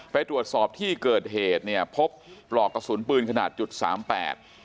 ไปตรวจสอบที่เกิดเหตุเนี่ยพบปลอกกระสุนปืนขนาดจุดสามแปด